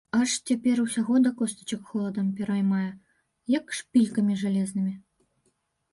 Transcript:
Аж цяпер усяго да костачак холадам пераймае, як шпількамі жалезнымі.